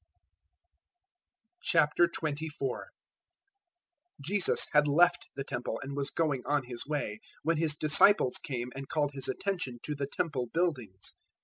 '" 024:001 Jesus had left the Temple and was going on His way, when His disciples came and called His attention to the Temple buildings.